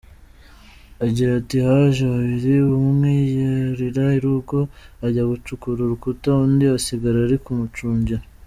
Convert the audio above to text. Agira ati “Haje babiri, umwe yurira urugo ajya gucukura urukuta, undi asigara ari kumucungira.